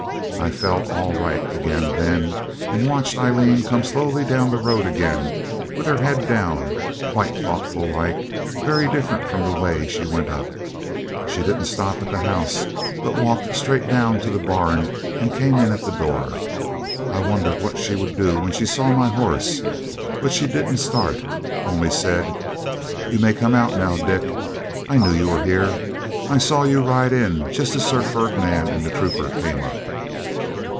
I felt all right again then, and watched Aileen come slowly down the road again with her head down, quite thoughtful like, very different from the way she went up. She didn't stop at the house, but walked straight down to the barn and came in at the door. I wondered what she would do when she saw my horse. But she didn't start, only said 'You may come out now, Dick; I knew you were here. I saw you ride in just as Sir Ferdinand and the trooper came up.'